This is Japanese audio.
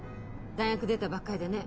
大学出たばっかりでね